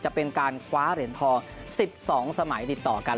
จะเป็นการคว้าเหรียญทอง๑๒สมัยติดต่อกัน